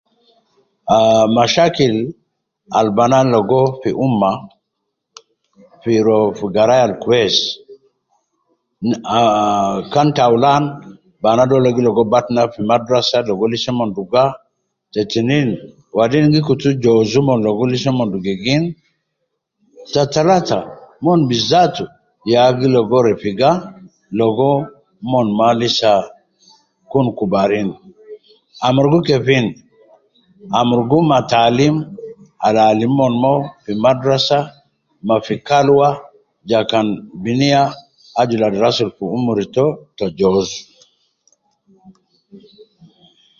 Ah mashakil al bana ligo fi umma fi rua fi garaya ab kwesi na ah, kan taulan bana dole gi ligo batna fi madrasa ligo Lisa mon duga, batna te tinin gi kutu jozu omon ligo Lisa mon dugagin ta talata mon bizatu ya gi ligo refiga logo lisa mon ma kubarin amurugu kefin, amurugu ma taalim al alim omon mo fi madrasa ma fi kalwa ja kan binia aju ladi rasul fi umuri to ta jozu